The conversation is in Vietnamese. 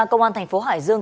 cơ quan thành phố hải dương